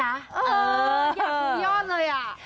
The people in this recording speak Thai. เอออยากทุกอย่อนเลยอ่ะ